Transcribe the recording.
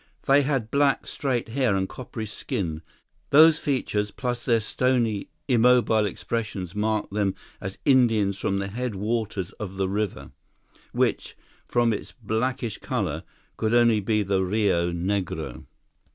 They had black, straight hair and coppery skin; those features, plus their stony, immobile expressions marked them as Indians from the headwaters of the river, which, from its blackish color, could only be the Rio Negro.